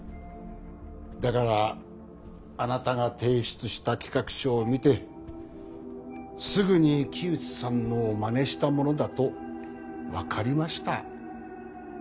だからあなたが提出した企画書を見てすぐに木内さんのをまねしたものだと分かりました。